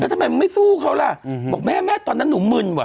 แล้วทำไมมันไม่สู้เขาล่ะอืมบอกแม่แม่ตอนนั้นหนูมึนว่ะ